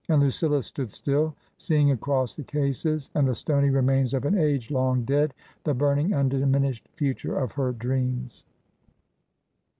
And LuciUa stood still, seeing across the cases and the stony remains of an age long dead the burning undiminished future of her dreams.